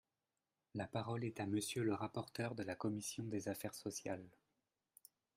La parole est à Monsieur le rapporteur de la commission des affaires sociales.